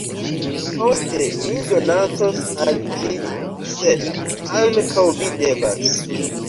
Poste, mi donacos al ĝi sed ankaŭ vi devas